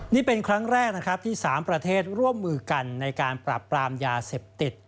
นี่เป็นครั้งแรกนะครับที่๓ประเทศร่วมมือกันในการปรับปรามยาเสพติด